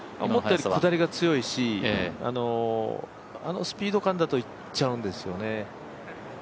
思ったより下りが強いしあのスピード感だといっちゃうんですよね。